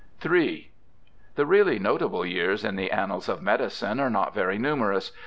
Ill The really notable years in the annals of medicme are not very numerous.